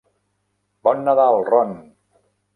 Bon Nadal, Ron!